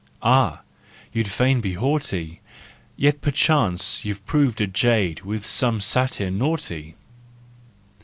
Ah, you'd fain be haughty, Yet perchance you've proved a jade With some satyr naughty!